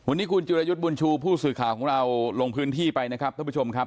วันนี้คุณจิรยุทธ์บุญชูผู้สื่อข่าวของเราลงพื้นที่ไปนะครับท่านผู้ชมครับ